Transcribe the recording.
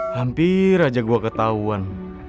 hampir aja gue ketahuan